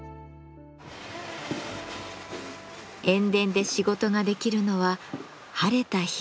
塩田で仕事ができるのは晴れた日だけ。